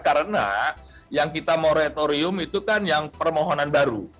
karena yang kita moratorium itu kan yang permohonan baru